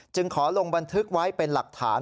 ขอลงบันทึกไว้เป็นหลักฐาน